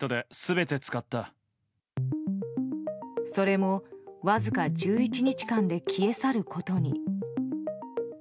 それもわずか１１日間で消え去ることに。